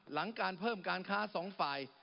หลังการเพิ่มการค้าสองฝ่าย